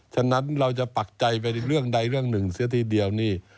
ฉะนั้นเราจะปักใจไปเรื่องใดเรื่องหนึ่งเสียทีเดียวนี่